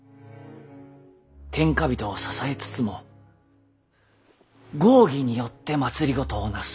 天下人を支えつつも合議によって政をなす。